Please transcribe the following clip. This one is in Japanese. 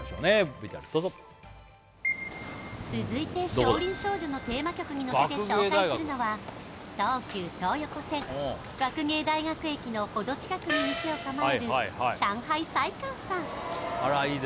ＶＴＲどうぞ続いて「少林少女」のテーマ曲にのせて紹介するのは東急東横線学芸大学駅のほど近くに店を構える上海菜館さん